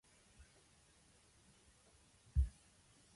He grows distant from Maxine and eventually breaks up with her.